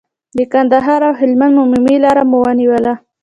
د کندهار او هلمند عمومي لار مو ونیوله.